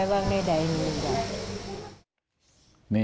เศียวะเศียไปว่างใต่